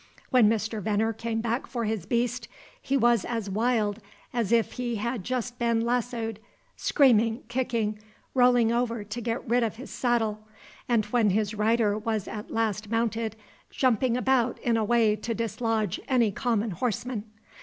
When Mr. Venner came back for his beast, he was as wild as if he had just been lassoed, screaming, kicking, rolling over to get rid of his saddle, and when his rider was at last mounted, jumping about in a way to dislodge any common horseman.